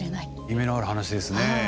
夢のある話ですね。